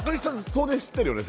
当然知ってるよね